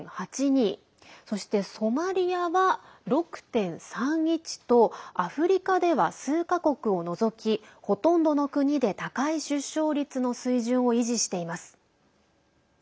そして、ソマリアは６．３１とアフリカでは数か国を除きほとんどの国で高い出生率の水準を維持しています。